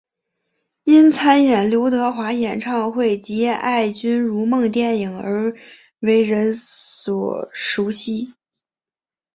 因参演刘德华演唱会及爱君如梦电影而为人所熟悉。